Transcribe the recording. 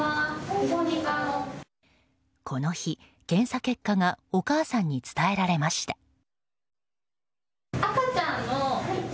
この日、検査結果がお母さんに伝えられました。